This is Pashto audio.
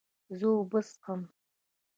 زه اوبه څښم